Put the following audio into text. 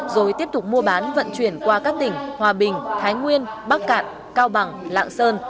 rồi tiếp tục mua bán vận chuyển qua các tỉnh hòa bình thái nguyên bắc cạn cao bằng lạng sơn